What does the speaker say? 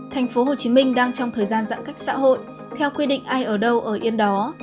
tp hcm đang trong thời gian giãn cách xã hội theo quy định ai ở đâu ở yên đó